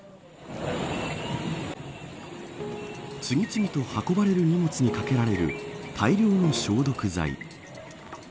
次々と運ばれる荷物に掛けられる大量の消毒剤。